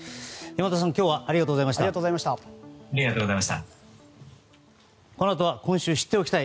山田さん、今日はありがとうございました。